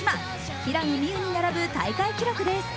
平野美宇に並ぶ大会記録です。